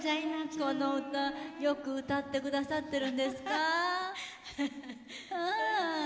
この歌よく歌ってくださってるんですか。